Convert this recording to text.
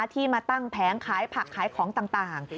ที่มาตั้งแผงขายผักขายของต่าง